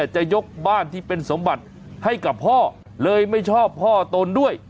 จะยกบ้านที่เป็นสมบัติให้กับพ่อเลยไม่ชอบพ่อตนด้วย